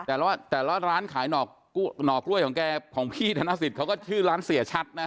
แต่ละร้านขายหน่อกล้วยของแกของพี่ธนสิทธิ์เขาก็ชื่อร้านเสียชัดนะ